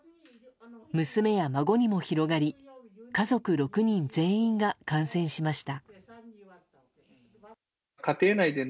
娘や孫にも広がり家族６人全員が感染しました。